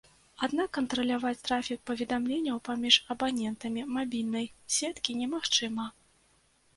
Аднак кантраляваць трафік паведамленняў паміж абанентамі мабільнай сеткі немагчыма.